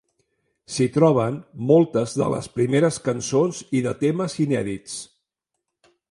S'hi troben moltes de les primeres cançons i de temes inèdits.